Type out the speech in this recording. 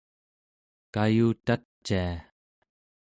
kayutacia